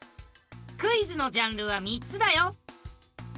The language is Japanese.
クイズのジャンルは３つだよ。